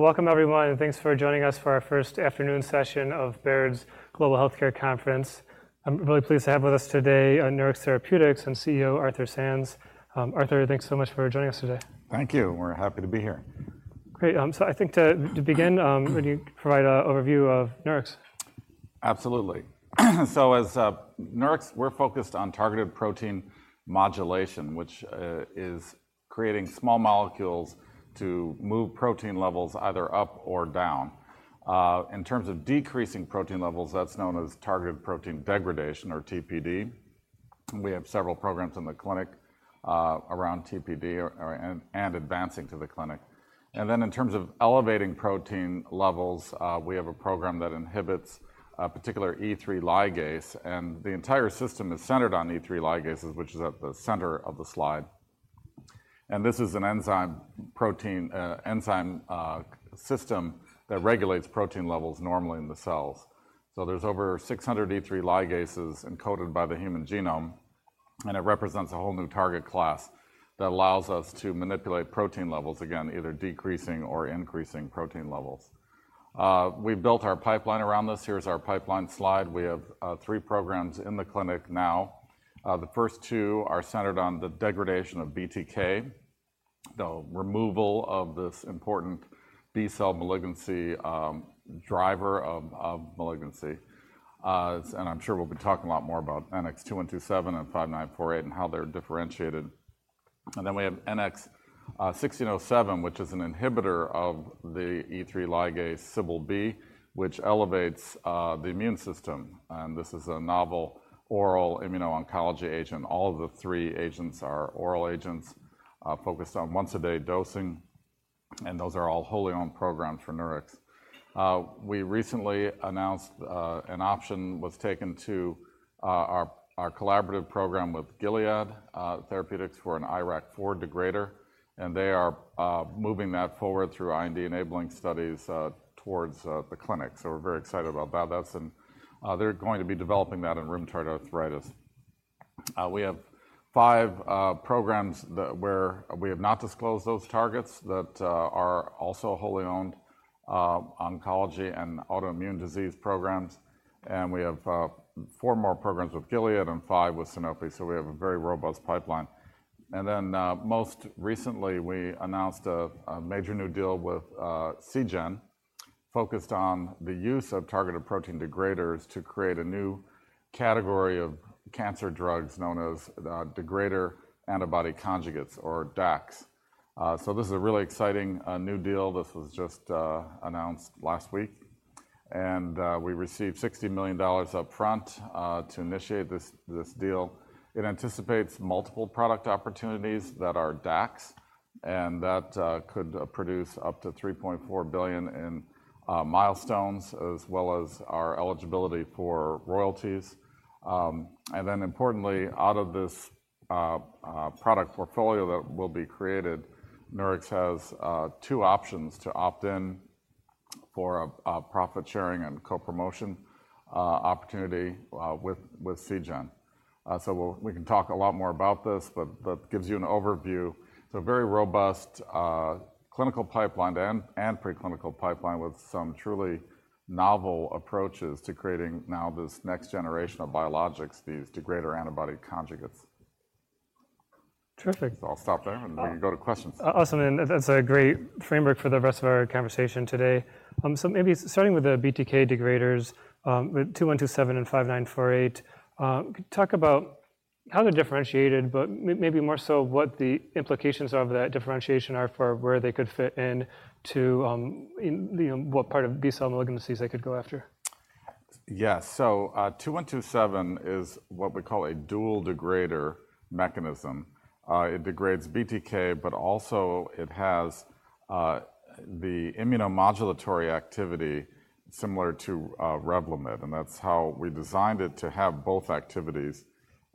Welcome everyone, and thanks for joining us for our first afternoon session of Baird's Global Healthcare Conference. I'm really pleased to have with us today, Nurix Therapeutics and CEO, Arthur Sands. Arthur, thanks so much for joining us today. Thank you. We're happy to be here. Great! So I think to begin, would you provide an overview of Nurix? Absolutely. So as Nurix, we're focused on targeted protein modulation, which is creating small molecules to move protein levels either up or down. In terms of decreasing protein levels, that's known as targeted protein degradation or TPD. We have several programs in the clinic around TPD or advancing to the clinic. And then in terms of elevating protein levels, we have a program that inhibits a particular E3 ligase, and the entire system is centered on E3 ligases, which is at the center of the slide. And this is an enzyme system that regulates protein levels normally in the cells. So there's over 600 E3 ligases encoded by the human genome, and it represents a whole new target class that allows us to manipulate protein levels, again, either decreasing or increasing protein levels. We've built our pipeline around this. Here's our pipeline slide. We have three programs in the clinic now. The first two are centered on the degradation of BTK, the removal of this important B-cell malignancy driver of malignancy. I'm sure we'll be talking a lot more about NX-2127 and NX-5948, and how they're differentiated. Then we have NX-1607, which is an inhibitor of the E3 ligase CBL-B, which elevates the immune system, and this is a novel oral immuno-oncology agent. All of the three agents are oral agents focused on once-a-day dosing, and those are all wholly owned programs for Nurix. We recently announced an option was taken to our collaborative program with Gilead Sciences for an IRAK4 degrader, and they are moving that forward through IND-enabling studies towards the clinic. So we're very excited about that. That's they're going to be developing that in rheumatoid arthritis. We have five programs where we have not disclosed those targets that are also wholly owned oncology and autoimmune disease programs. And we have four more programs with Gilead Sciences and five with Sanofi, so we have a very robust pipeline. And then most recently, we announced a major new deal with Seagen, focused on the use of targeted protein degraders to create a new category of cancer drugs known as degrader antibody conjugates or DACs. So this is a really exciting new deal. This was just announced last week, and we received $60 million upfront to initiate this deal. It anticipates multiple product opportunities that are DACs, and that could produce up to $3.4 billion in milestones, as well as our eligibility for royalties. And then importantly, out of this product portfolio that will be created, Nurix has two options to opt in for a profit sharing and co-promotion opportunity with Seagen. So we can talk a lot more about this, but that gives you an overview. It's a very robust clinical pipeline and preclinical pipeline with some truly novel approaches to creating now this next generation of biologics, these degrader antibody conjugates. Terrific. I'll stop there and we can go to questions. Awesome, and that's a great framework for the rest of our conversation today. Maybe starting with the BTK degraders, NX-2127 and NX-5948, talk about how they're differentiated, but maybe more so, what the implications of that differentiation are for where they could fit into, you know, what part of B-cell malignancies they could go after? Yes. So, NX-2127 is what we call a dual degrader mechanism. It degrades BTK, but also it has, the immunomodulatory activity similar to, Revlimid, and that's how we designed it to have both activities.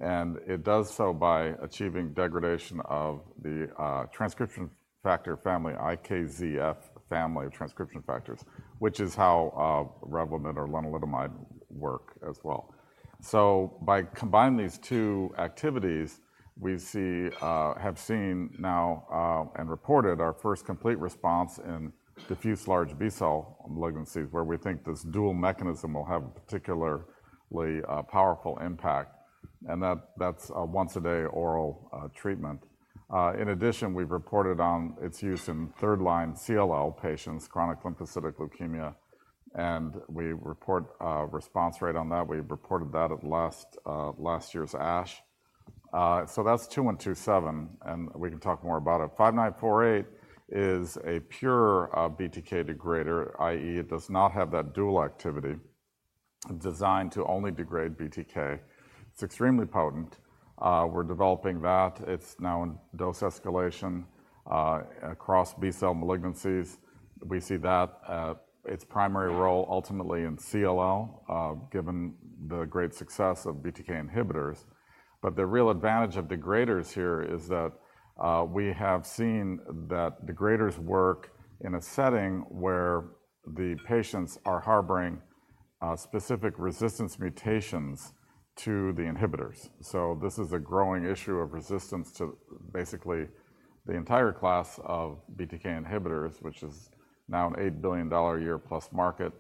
And it does so by achieving degradation of the, transcription factor family, IKZF family of transcription factors, which is how, Revlimid or lenalidomide work as well. So by combining these two activities, we see, have seen now, and reported our first complete response in diffuse large B-cell malignancies, where we think this dual mechanism will have a particularly, powerful impact, and that, that's a once-a-day oral, treatment. In addition, we've reported on its use in third-line CLL patients, chronic lymphocytic leukemia, and we report a response rate on that. We reported that at last, last year's ASH. So that's NX-2127, and we can talk more about it. NX-5948 is a pure BTK degrader, i.e., it does not have that dual activity designed to only degrade BTK. It's extremely potent. We're developing that. It's now in dose escalation across B-cell malignancies. We see that its primary role ultimately in CLL given the great success of BTK inhibitors. But the real advantage of degraders here is that we have seen that degraders work in a setting where the patients are harboring specific resistance mutations to the inhibitors. So this is a growing issue of resistance to basically the entire class of BTK inhibitors, which is now an $8 billion a year plus market.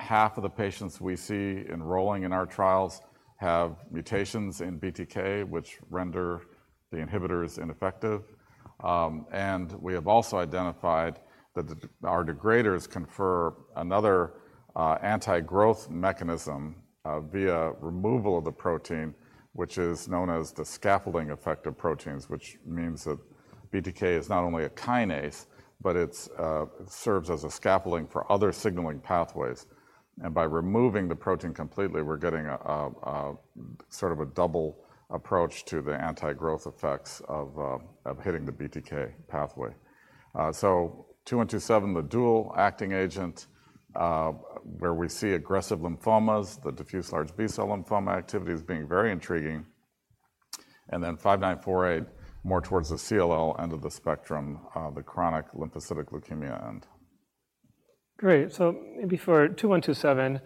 Half of the patients we see enrolling in our trials have mutations in BTK, which render the inhibitors ineffective. And we have also identified that our degraders confer another anti-growth mechanism via removal of the protein, which is known as the scaffolding effect of proteins. Which means that BTK is not only a kinase, but it serves as a scaffolding for other signaling pathways, and by removing the protein completely, we're getting a sort of a double approach to the anti-growth effects of hitting the BTK pathway. So NX-2127, the dual acting agent, where we see aggressive lymphomas, the diffuse large B-cell lymphoma activity is being very intriguing. And then NX-5948, more towards the CLL end of the spectrum, the chronic lymphocytic leukemia end. Great. So maybe for NX-2127,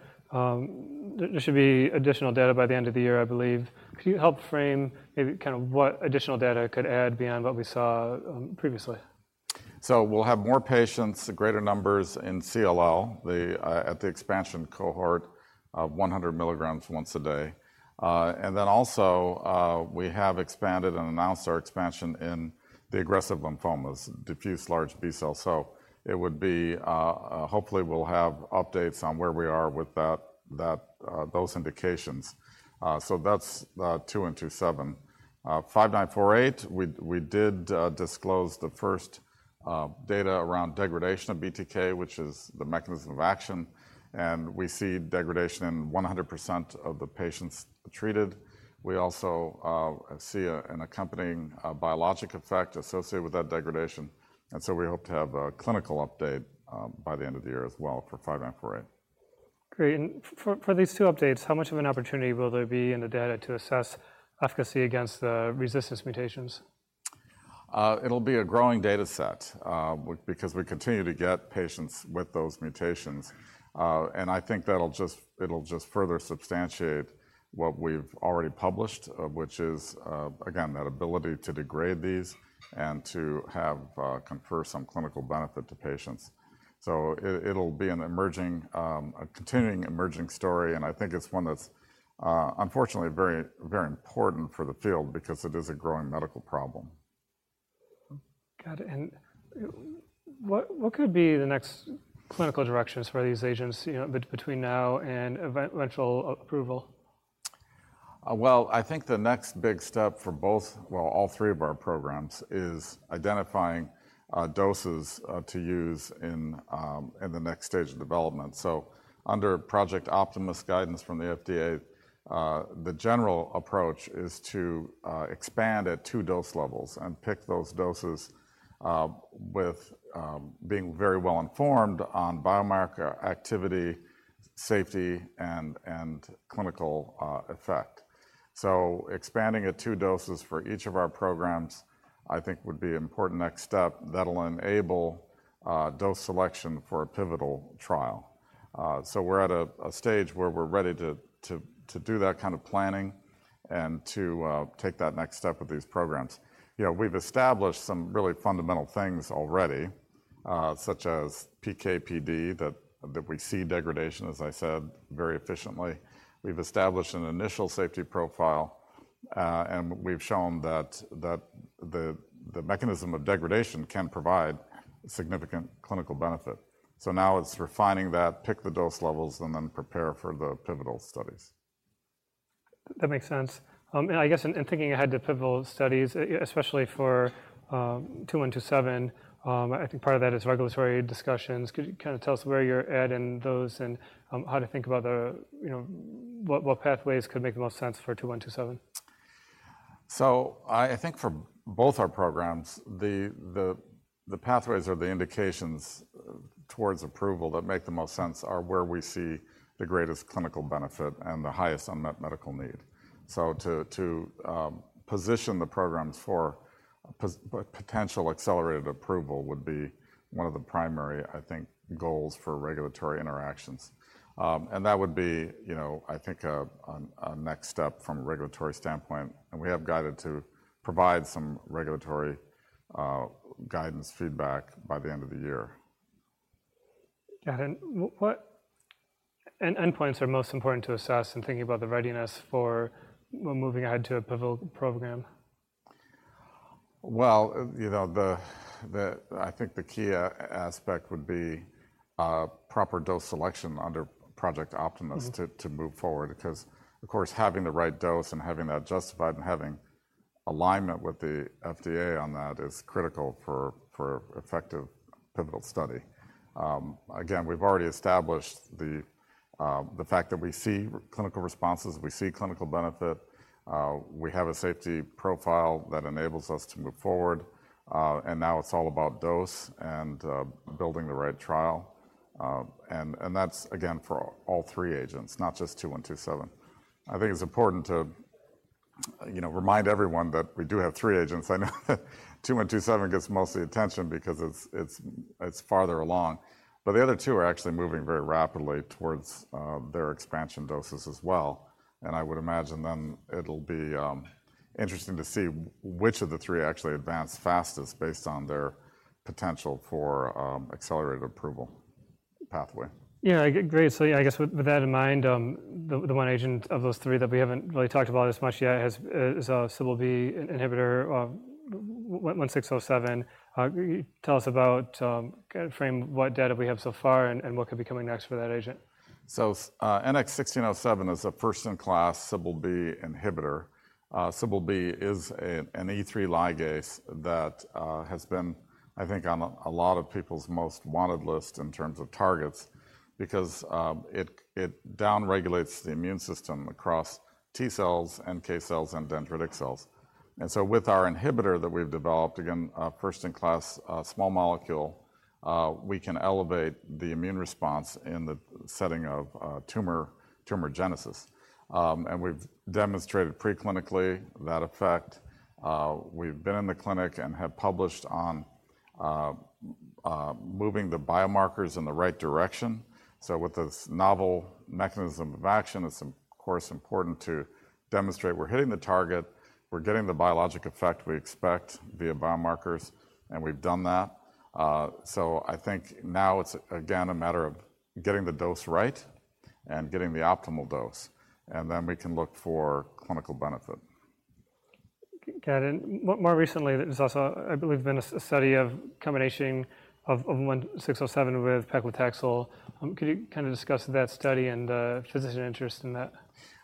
there should be additional data by the end of the year, I believe. Could you help frame maybe kind of what additional data could add beyond what we saw, previously? So we'll have more patients, greater numbers in CLL at the expansion cohort of 100 mg once a day. And then also, we have expanded and announced our expansion in the aggressive lymphomas, diffuse large B-cells. So it would be. Hopefully, we'll have updates on where we are with that, those indications. So that's NX-2127. NX-5948, we did disclose the first data around degradation of BTK, which is the mechanism of action, and we see degradation in 100% of the patients treated. We also see an accompanying biologic effect associated with that degradation, and so we hope to have a clinical update by the end of the year as well for NX-5948. Great. And for these two updates, how much of an opportunity will there be in the data to assess efficacy against the resistance mutations? It'll be a growing data set because we continue to get patients with those mutations. I think that'll just further substantiate what we've already published, which is again that ability to degrade these and to have confer some clinical benefit to patients. So it'll be an emerging, continuing emerging story, and I think it's one that's unfortunately very, very important for the field because it is a growing medical problem. Got it. And what, what could be the next clinical directions for these agents, you know, between now and eventual approval? Well, I think the next big step for both... Well, all three of our programs, is identifying doses to use in the next stage of development. So under Project Optimus guidance from the FDA, the general approach is to expand at two dose levels and pick those doses with being very well-informed on biomarker activity, safety, and clinical effect. So expanding at two doses for each of our programs, I think would be an important next step that'll enable dose selection for a pivotal trial. So we're at a stage where we're ready to do that kind of planning and to take that next step with these programs. You know, we've established some really fundamental things already, such as PK/PD, that we see degradation, as I said, very efficiently. We've established an initial safety profile, and we've shown that the mechanism of degradation can provide significant clinical benefit. So now it's refining that, pick the dose levels, and then prepare for the pivotal studies. That makes sense. And I guess in thinking ahead to pivotal studies, especially for NX-2127, I think part of that is regulatory discussions. Could you kind of tell us where you're at in those, and how to think about the, you know, what pathways could make the most sense for NX-2127? So I think for both our programs, the pathways or the indications towards approval that make the most sense are where we see the greatest clinical benefit and the highest unmet medical need. So to position the programs for potential accelerated approval would be one of the primary, I think, goals for regulatory interactions. And that would be, you know, I think, a next step from a regulatory standpoint, and we have guided to provide some regulatory guidance feedback by the end of the year. Got it. What and endpoints are most important to assess in thinking about the readiness for moving ahead to a pivotal program? Well, you know, I think the key aspect would be proper dose selection under Project Optimus. Mm-hmm... to move forward. Because, of course, having the right dose and having that justified and having alignment with the FDA on that is critical for effective pivotal study. Again, we've already established the fact that we see clinical responses, we see clinical benefit, we have a safety profile that enables us to move forward, and now it's all about dose and building the right trial. And that's again, for all three agents, not just NX-2127. I think it's important, you know, to remind everyone that we do have three agents. I know two and two seven gets most of the attention because it's farther along, but the other two are actually moving very rapidly towards their expansion doses as well. I would imagine then it'll be interesting to see which of the three actually advance fastest based on their potential for accelerated approval pathway. Yeah, great. So yeah, I guess with that in mind, the one agent of those three that we haven't really talked about as much yet is a CBL-B inhibitor, NX-1607. Can you tell us about kind of frame what data we have so far and what could be coming next for that agent? So, NX-1607 is a first-in-class CBL-B inhibitor. CBL-B is an E3 ligase that has been, I think, on a lot of people's most wanted list in terms of targets because it downregulates the immune system across T cells, NK cells, and dendritic cells. And so with our inhibitor that we've developed, again, a first-in-class small molecule, we can elevate the immune response in the setting of tumorigenesis. And we've demonstrated preclinically that effect. We've been in the clinic and have published on moving the biomarkers in the right direction. So with this novel mechanism of action, it's of course important to demonstrate we're hitting the target, we're getting the biologic effect we expect via biomarkers, and we've done that. So, I think now it's again a matter of getting the dose right and getting the optimal dose, and then we can look for clinical benefit. Got it. More recently, there's also, I believe, been a study of combination of NX-1607 with paclitaxel. Could you kind of discuss that study and physician interest in that?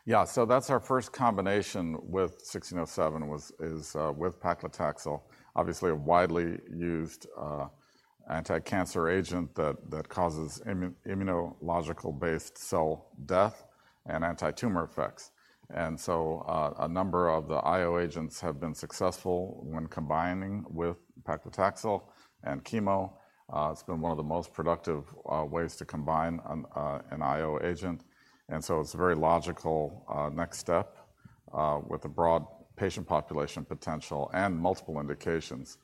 Yeah. So that's our first combination with NX-1607 was, is, with paclitaxel. Obviously, a widely used, anti-cancer agent that, that causes immunological-based cell death and anti-tumor effects. And so, a number of the IO agents have been successful when combining with paclitaxel and chemo. It's been one of the most productive, ways to combine an, an IO agent, and so it's a very logical, next step, with a broad patient population potential and multiple indications.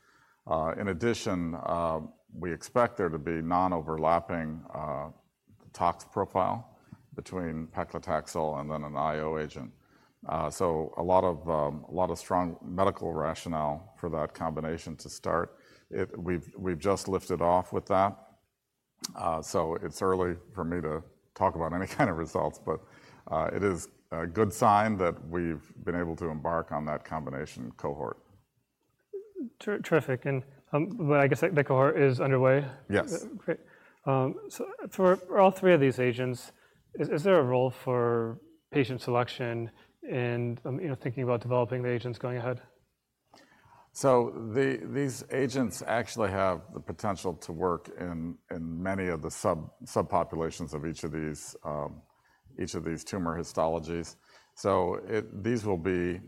In addition, we expect there to be non-overlapping, tox profile between paclitaxel and then an IO agent. So a lot of, a lot of strong medical rationale for that combination to start. We've, we've just lifted off with that, so it's early for me to talk about any kind of results, but it is a good sign that we've been able to embark on that combination cohort. Terrific, and, well, I guess that cohort is underway? Yes. Great. So for all three of these agents, is there a role for patient selection and, you know, thinking about developing the agents going ahead? So these agents actually have the potential to work in many of the subpopulations of each of these tumor histologies. So these will be,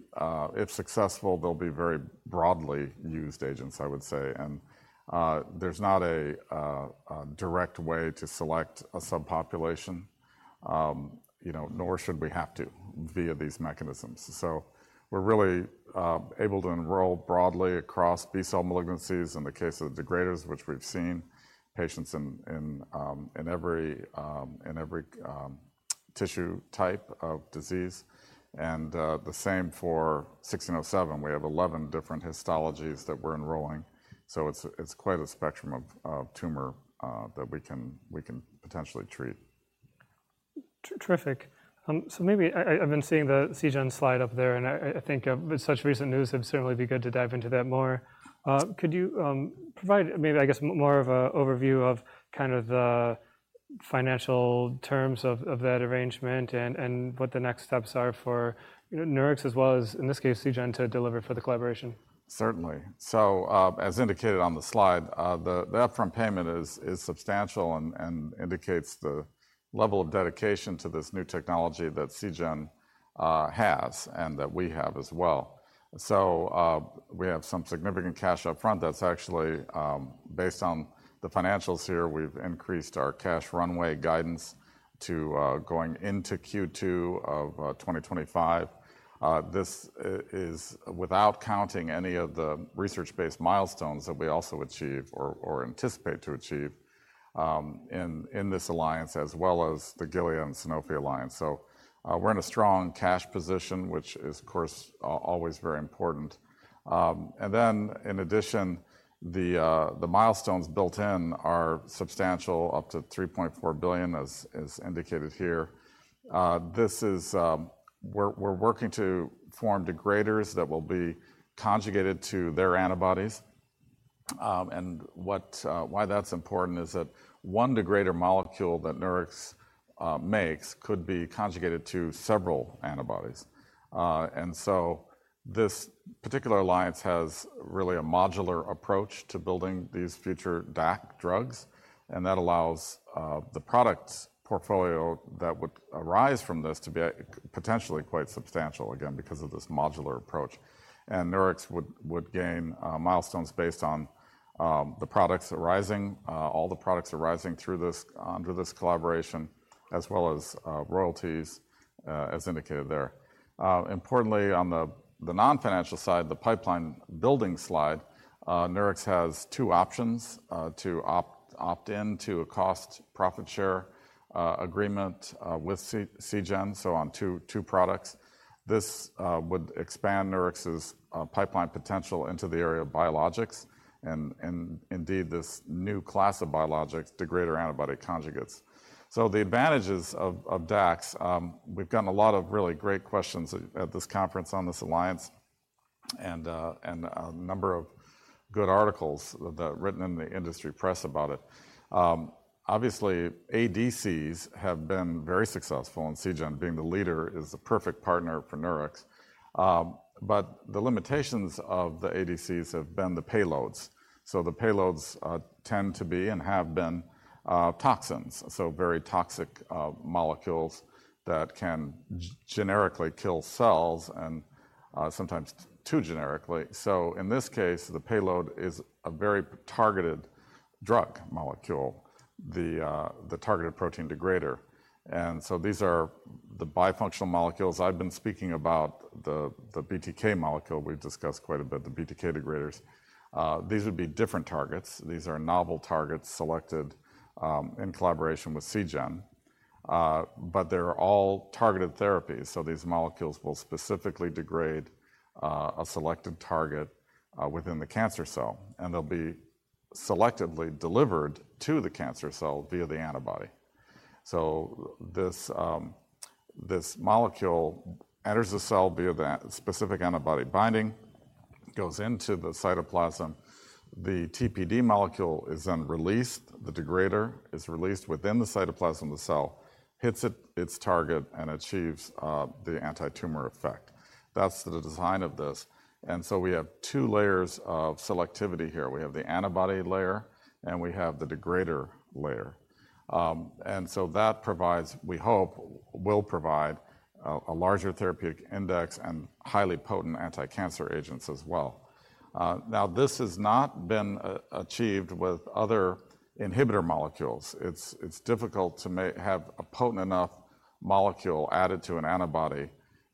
if successful, very broadly used agents, I would say. And there's not a direct way to select a subpopulation, you know, nor should we have to via these mechanisms. So we're really able to enroll broadly across B-cell malignancies in the case of degraders, which we've seen patients in every tissue type of disease, and the same for NX-1607. We have 11 different histologies that we're enrolling, so it's quite a spectrum of tumor that we can potentially treat. Terrific. So maybe I've been seeing the Seagen slide up there, and I think, with such recent news, it would certainly be good to dive into that more. Could you provide maybe, I guess, more of a overview of kind of the financial terms of that arrangement and what the next steps are for, you know, Nurix, as well as, in this case, Seagen, to deliver for the collaboration? Certainly. So, as indicated on the slide, the upfront payment is substantial and indicates the level of dedication to this new technology that Seagen has and that we have as well. So, we have some significant cash up front that's actually... Based on the financials here, we've increased our cash runway guidance to going into Q2 of 2025. This is without counting any of the research-based milestones that we also achieve or anticipate to achieve in this alliance, as well as the Gilead and Sanofi alliance. So, we're in a strong cash position, which is, of course, always very important. And then in addition, the milestones built in are substantial, up to $3.4 billion, as indicated here. This is, we're working to form degraders that will be conjugated to their antibodies, and what why that's important is that one degrader molecule that Nurix makes could be conjugated to several antibodies. And so this particular alliance has really a modular approach to building these future DAC drugs, and that allows the products portfolio that would arise from this to be a potentially quite substantial, again, because of this modular approach. And Nurix would gain milestones based on the products arising, all the products arising through this, under this collaboration, as well as royalties as indicated there. Importantly, on the non-financial side, the pipeline building slide, Nurix has two options to opt in to a cost profit share agreement with Seagen, so on two products. This would expand Nurix's pipeline potential into the area of biologics and indeed this new class of biologics, the degrader antibody conjugates. So the advantages of DACs, we've gotten a lot of really great questions at this conference on this alliance and a number of good articles that are written in the industry press about it. Obviously, ADCs have been very successful, and Seagen being the leader is the perfect partner for Nurix. But the limitations of the ADCs have been the payloads. So the payloads tend to be and have been toxins, so very toxic molecules that can generically kill cells and sometimes too generically. So in this case, the payload is a very targeted drug molecule, the targeted protein degrader. And so these are the bifunctional molecules. I've been speaking about the BTK molecule we've discussed quite a bit, the BTK degraders. These would be different targets. These are novel targets selected in collaboration with Seagen. But they're all targeted therapies, so these molecules will specifically degrade a selected target within the cancer cell, and they'll be selectively delivered to the cancer cell via the antibody. So this molecule enters the cell via the specific antibody binding, goes into the cytoplasm. The TPD molecule is then released. The degrader is released within the cytoplasm of the cell, hits its target and achieves the anti-tumor effect. That's the design of this. And so we have two layers of selectivity here. We have the antibody layer, and we have the degrader layer. And so that provides, we hope, will provide a larger therapeutic index and highly potent anti-cancer agents as well. Now, this has not been achieved with other inhibitor molecules. It's difficult to have a potent enough molecule added to an antibody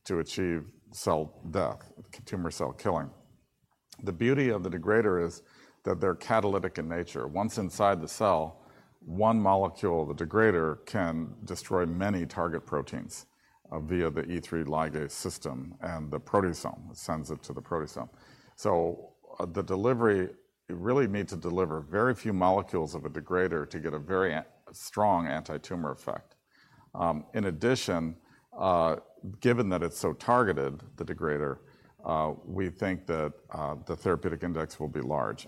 to achieve cell death, tumor cell killing. The beauty of the degrader is that they're catalytic in nature. Once inside the cell, one molecule, the degrader, can destroy many target proteins via the E3 ligase system, and the proteasome; it sends it to the proteasome. So, the delivery, you really need to deliver very few molecules of a degrader to get a very strong anti-tumor effect. In addition, given that it's so targeted, the degrader, we think that the therapeutic index will be large.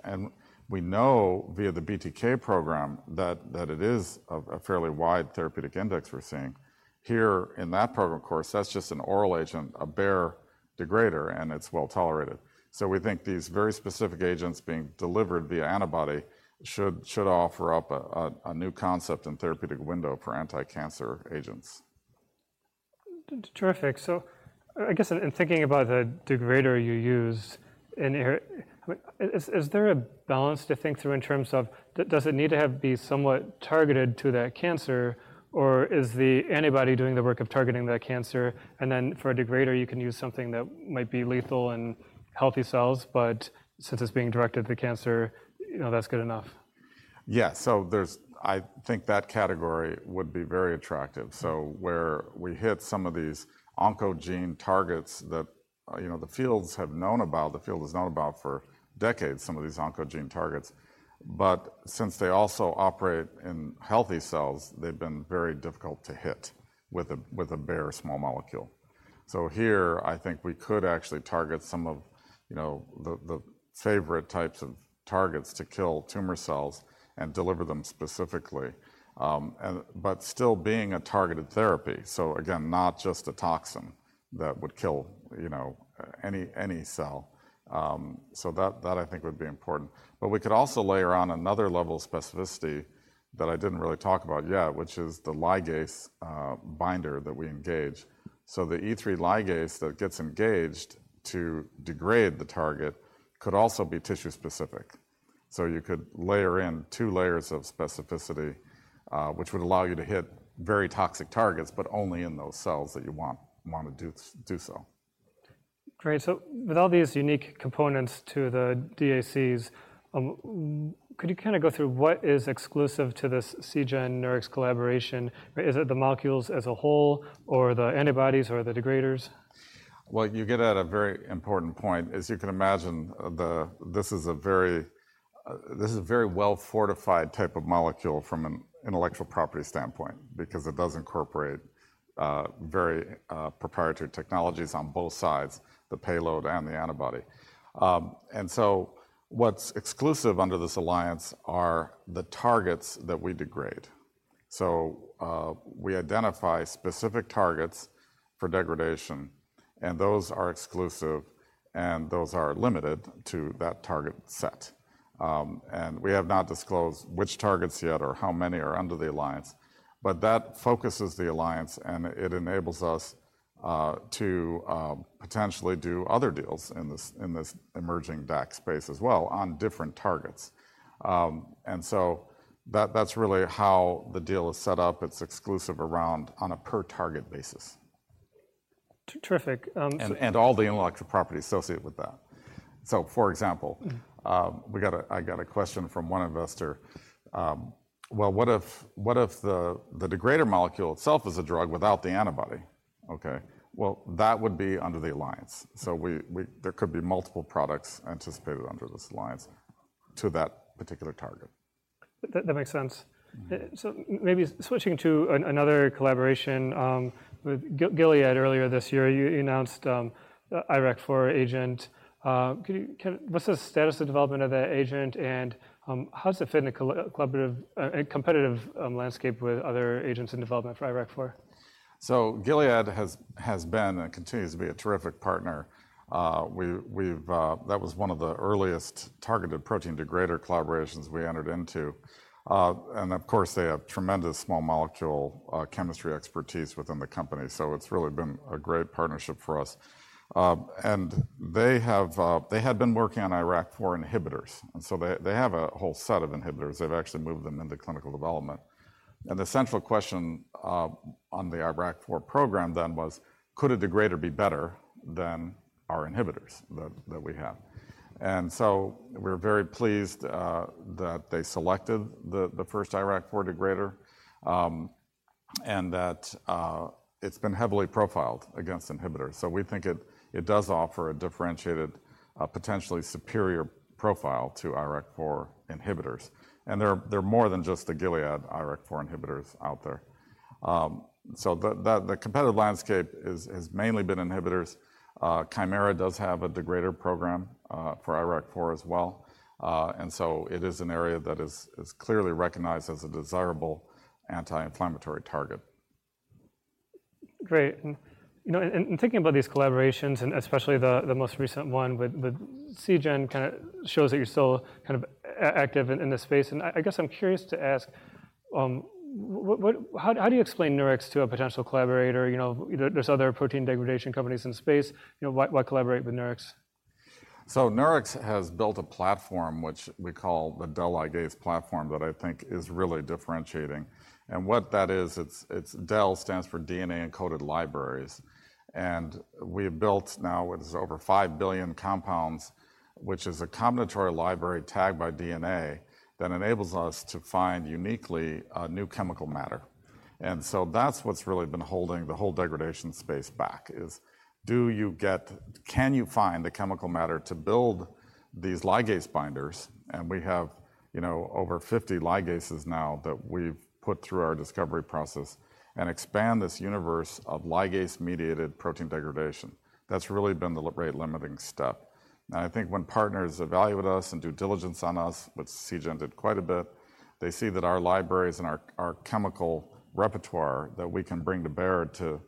We know via the BTK program that it is a fairly wide therapeutic index we're seeing. Here in that program, of course, that's just an oral agent, a bare degrader, and it's well-tolerated. So we think these very specific agents being delivered via antibody should offer up a new concept and therapeutic window for anti-cancer agents. Terrific. So I guess in thinking about the degrader you use in here, I mean, is there a balance to think through in terms of does it need to have to be somewhat targeted to that cancer, or is the antibody doing the work of targeting that cancer? And then for a degrader, you can use something that might be lethal in healthy cells, but since it's being directed at the cancer, you know, that's good enough. Yeah. So there's, I think, that category would be very attractive. So where we hit some of these oncogene targets that, you know, the fields have known about, the field has known about for decades, some of these oncogene targets. But since they also operate in healthy cells, they've been very difficult to hit with a bare small molecule. So here, I think we could actually target some of, you know, the favorite types of targets to kill tumor cells and deliver them specifically, and but still being a targeted therapy, so again, not just a toxin that would kill, you know, any cell. So that I think would be important. But we could also layer on another level of specificity that I didn't really talk about yet, which is the ligase binder that we engage. The E3 ligase that gets engaged to degrade the target could also be tissue-specific. You could layer in two layers of specificity, which would allow you to hit very toxic targets, but only in those cells that you want to do so. Great. So with all these unique components to the DACs, could you kind of go through what is exclusive to this Seagen, Nurix collaboration? Is it the molecules as a whole or the antibodies or the degraders? Well, you get at a very important point. As you can imagine, this is a very well-fortified type of molecule from an intellectual property standpoint because it does incorporate very proprietary technologies on both sides, the payload and the antibody. And so what's exclusive under this alliance are the targets that we degrade. So we identify specific targets for degradation, and those are exclusive, and those are limited to that target set. And we have not disclosed which targets yet or how many are under the alliance, but that focuses the alliance, and it enables us to potentially do other deals in this emerging DAC space as well on different targets. And so that, that's really how the deal is set up. It's exclusive around on a per target basis. Terrific, um- And all the intellectual property associated with that. So, for example- Mm. I got a question from one investor: Well, what if the degrader molecule itself is a drug without the antibody? Okay, well, that would be under the alliance. So we—there could be multiple products anticipated under this alliance to that particular target. That makes sense. Mm. So maybe switching to another collaboration with Gilead earlier this year, you announced IRAK4 agent. What's the status of development of that agent, and how does it fit in the collaborative competitive landscape with other agents in development for IRAK4? So Gilead has been and continues to be a terrific partner. That was one of the earliest targeted protein degrader collaborations we entered into. And of course, they have tremendous small molecule chemistry expertise within the company, so it's really been a great partnership for us. And they had been working on IRAK4 inhibitors, and so they have a whole set of inhibitors. They've actually moved them into clinical development. And the central question on the IRAK4 program then was, could a degrader be better than our inhibitors that we have? And so we're very pleased that they selected the first IRAK4 degrader, and that it's been heavily profiled against inhibitors. So we think it does offer a differentiated potentially superior profile to IRAK4 inhibitors. There are more than just the Gilead IRAK4 inhibitors out there. So the competitive landscape is, has mainly been inhibitors. Kymera does have a degrader program for IRAK4 as well. And so it is an area that is clearly recognized as a desirable anti-inflammatory target. Great, you know, in thinking about these collaborations, and especially the most recent one with Seagen, kind of shows that you're still kind of active in this space. And I guess I'm curious to ask, what, how do you explain Nurix to a potential collaborator? You know, there's other protein degradation companies in the space. You know, why collaborate with Nurix? So Nurix has built a platform, which we call the DELigase platform, that I think is really differentiating. And what that is, it's DEL stands for DNA Encoded Libraries, and we have built now what is over 5 billion compounds, which is a combinatorial library tagged by DNA, that enables us to find uniquely a new chemical matter. And so that's what's really been holding the whole degradation space back is, can you find the chemical matter to build these ligase binders? And we have, you know, over 50 ligases now that we've put through our discovery process and expand this universe of ligase-mediated protein degradation. That's really been the rate-limiting step. I think when partners evaluate us and do diligence on us, which Seagen did quite a bit, they see that our libraries and our chemical repertoire that we can bring to bear to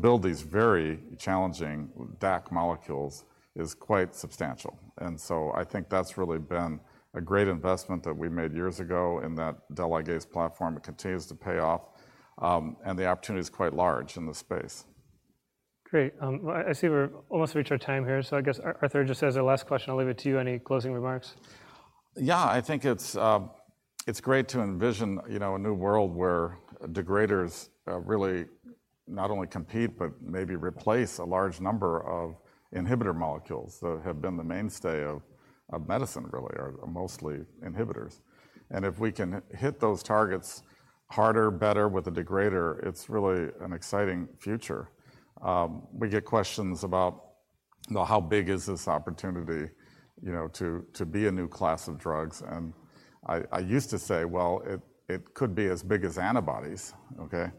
build these very challenging DAC molecules is quite substantial. So I think that's really been a great investment that we made years ago in that DELigase platform. It continues to pay off, and the opportunity is quite large in this space. Great. Well, I see we've almost reached our time here, so I guess, Arthur, just as our last question, I'll leave it to you. Any closing remarks? Yeah. I think it's, it's great to envision, you know, a new world where degraders, really not only compete, but maybe replace a large number of inhibitor molecules that have been the mainstay of medicine, really, are mostly inhibitors. And if we can hit those targets harder, better, with a degrader, it's really an exciting future. We get questions about, you know, how big is this opportunity, you know, to, to be a new class of drugs? And I, I used to say, "Well, it, it could be as big as antibodies," okay?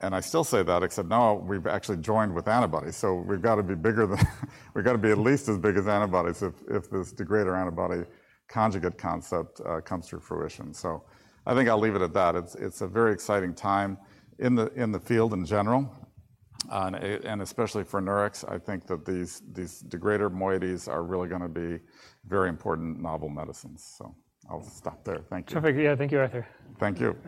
And I still say that, except now we've actually joined with antibodies, so we've got to be bigger than, we've got to be at least as big as antibodies if, if this degrader antibody conjugate concept, comes to fruition. So I think I'll leave it at that. It's a very exciting time in the field in general, and especially for Nurix, I think that these degrader moieties are really gonna be very important novel medicines. So I'll stop there. Thank you. Terrific. Yeah. Thank you, Arthur. Thank you.